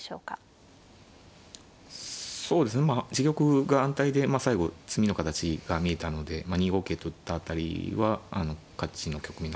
そうですねまあ自玉が安泰で最後詰みの形が見えたので２五桂と打った辺りは勝ちの局面になったのかなと思いました。